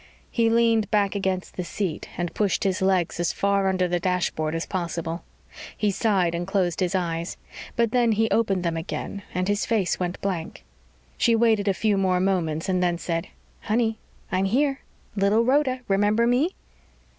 He leaned back against the seat and pushed his legs as far under the dashboard as possible. He sighed and closed his eyes. But then he opened them again and his face went blank. She waited a few more moments and then said, "Honey I'm here. Little Rhoda. Remember me?"